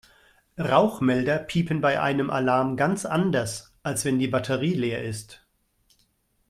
Rauchmelder piepen bei einem Alarm ganz anders, als wenn die Batterie leer ist.